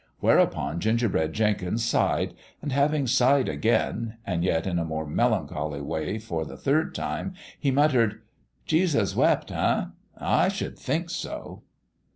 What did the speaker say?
Whereupon Gingerbread Jenkins sighed ; and having sighed again and yet in a more melancholy way for the third time he muttered :" Jesus wept, eh ? I sh'uld think so